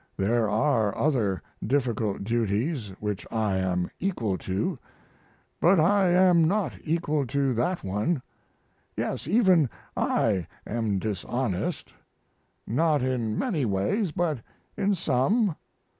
There are other difficult duties which I am equal to, but I am not equal to that one. Yes, even I am dishonest. Not in many ways, but in some.